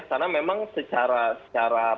karena memang secara protokol cirebon itu kan mengirimkan